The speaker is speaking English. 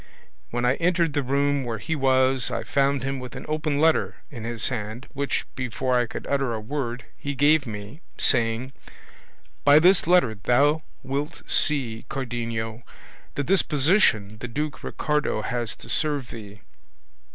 When I entered the room where he was I found him with an open letter in his hand, which, before I could utter a word, he gave me, saying, 'By this letter thou wilt see, Cardenio, the disposition the Duke Ricardo has to serve thee.